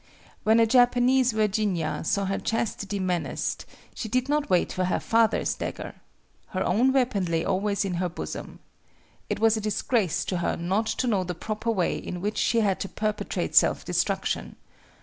When a Japanese Virginia saw her chastity menaced, she did not wait for her father's dagger. Her own weapon lay always in her bosom. It was a disgrace to her not to know the proper way in which she had to perpetrate self destruction.